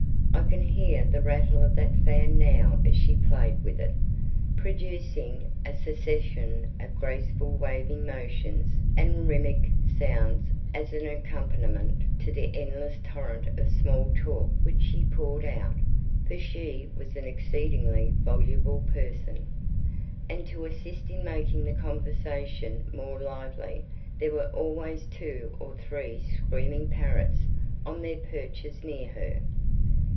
I can hear the rattle of that fan now as she played with it, producing a succession of graceful waving motions and rhythmic sounds as an accompaniment to the endless torrent of small talk which she poured out; for she was an exceedingly voluble person, and to assist in making the conversation more lively there were always two or three screaming parrots on their perches near her.